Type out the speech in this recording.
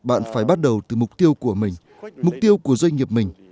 ai bắt đầu từ mục tiêu của mình mục tiêu của doanh nghiệp mình